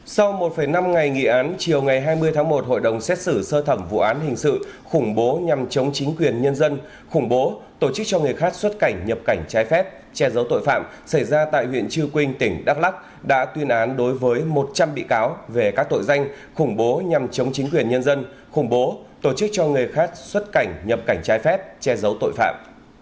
sau một năm ngày nghị án chiều ngày hai mươi tháng một hội đồng xét xử sơ thẩm vụ án hình sự khủng bố nhằm chống chính quyền nhân dân khủng bố tổ chức cho người khác xuất cảnh nhập cảnh trái phép che giấu tội phạm xảy ra tại huyện trư quynh tỉnh đắk lắc đã tuyên án đối với một trăm linh bị cáo về các tội danh khủng bố nhằm chống chính quyền nhân dân khủng bố tổ chức cho người khác xuất cảnh nhập cảnh trái phép che giấu tội phạm